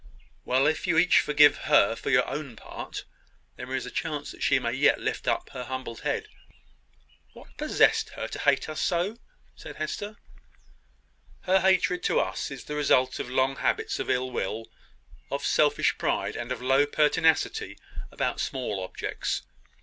Well, if you each forgive her for your own part, there is a chance that she may yet lift up her humbled head." "What possessed her to hate us so?" said Hester. "Her hatred to us is the result of long habits of ill will, of selfish pride, and of low pertinacity about small objects.